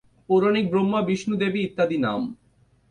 পৌরাণিক ব্রহ্মা, বিষ্ণু, দেবী ইত্যাদি নাম।